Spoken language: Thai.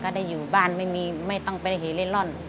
ได้อยู่บ้านไม่ต้องไปเหเล่นร่อน